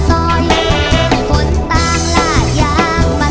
ก็ห้อนเหลือจอยหน้าแห้งน้ำ